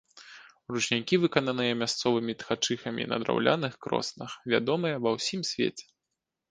Ручнікі, выкананыя мясцовымі ткачыхамі на драўляных кроснах, вядомыя ва ўсім свеце.